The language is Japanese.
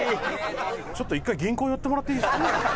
ちょっと１回銀行寄ってもらっていいですか？